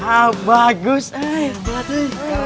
ah bagus eh